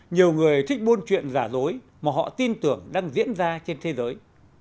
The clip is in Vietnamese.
nhiều người thích buôn chuyện giả dối mà họ tin tưởng đang diễn ra trên thế giới